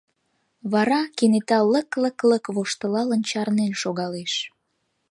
Вара, кенета лык-лык-лык воштылалын, чарнен шогалеш.